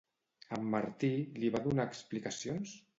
En Martí li va donar explicacions?